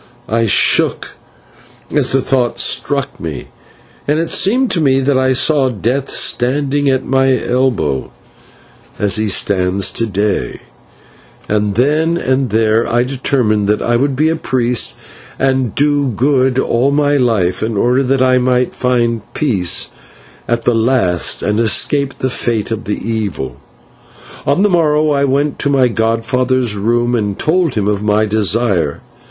I shook as the thought struck me, and it seemed to me that I saw Death standing at my elbow, as he stands to day, and then and there I determined that I would be a priest and do good all my life, in order that I might find peace at the last and escape the fate of the evil. On the morrow I went into my godfather's room and told him of my desire.